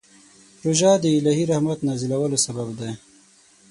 روژه د الهي رحمت نازلولو سبب دی.